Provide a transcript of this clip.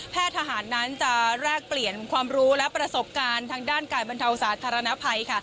ทหารนั้นจะแลกเปลี่ยนความรู้และประสบการณ์ทางด้านการบรรเทาสาธารณภัยค่ะ